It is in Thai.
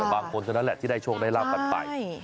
บางคนเท่านั้นแหละที่ได้โชคได้ลาบกันไป